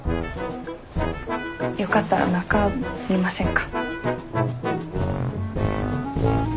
よかったら中見ませんか？